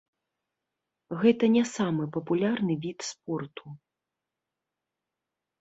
Гэта не самы папулярны від спорту.